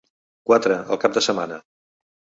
Quatre, el cap de setmana.